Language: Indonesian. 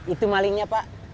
itu malingnya pak